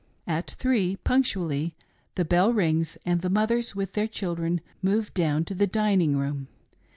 At three punctually the bell rings and the mothers with their children move down to the dining room.